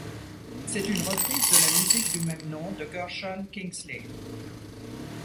C'est une reprise de la musique du même nom de Gershon Kingsley.